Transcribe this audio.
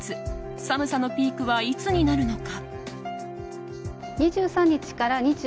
寒さのピークはいつになるのか？